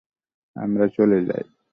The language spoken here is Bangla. আমরা চলে যাই।